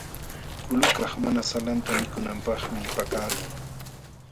Kulukaq mana salanta mikunanpaqmi pakaqlun.